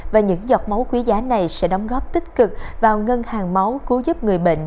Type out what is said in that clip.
và những giọt máu quý giá này sẽ đóng góp tích cực vào ngân hàng máu cứu giúp người bệnh